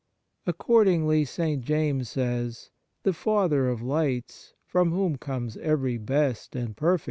Accord ingly, St. James says: "The Father of Lights, from whom comes every best and 1 Rom.